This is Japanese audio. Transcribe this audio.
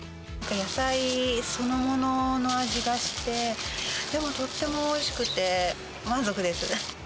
野菜そのものの味がして、でもとってもおいしくて、満足です。